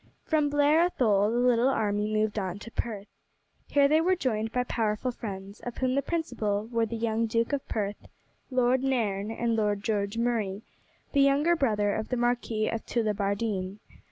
From Blair Athole the little army moved on to Perth. Here they were joined by powerful friends, of whom the principal were the young Duke of Perth, Lord Nairn, and Lord George Murray, the younger brother of the Marquis of Tullibardine.